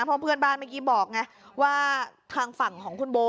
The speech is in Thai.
เพราะเพื่อนบ้านเมื่อกี้บอกไงว่าทางฝั่งของคุณโบ